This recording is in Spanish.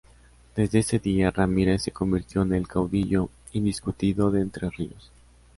Desde ese día, Ramírez se convirtió en el caudillo indiscutido de Entre Ríos.